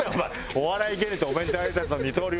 「お笑い芸人とお弁当配達の二刀流なんです！」